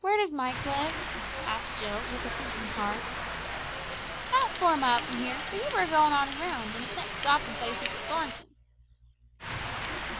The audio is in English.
"Where does Mike live?" asked Jill with a sinking heart. "About four mile from here, but he were a goin' on his rounds, and his next stopping place was at Thornton."